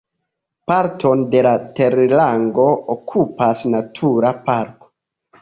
Parton de la terlango okupas natura parko.